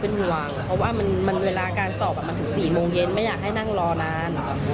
เพราะว่าเวลาการสอบถึง๔โมงเย็นไม่อยากให้นั่งรอนาน